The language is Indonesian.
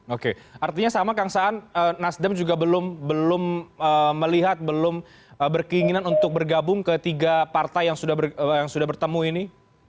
oke artinya sama kang saan nasdem juga belum melihat belum berkeinginan untuk bergabung ke tiga partai yang sudah bertemu ini